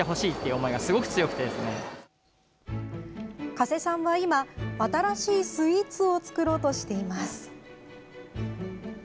加瀬さんは今新しいスイーツを作ろうとしています。